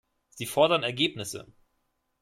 Sie fordern Ergebnisse.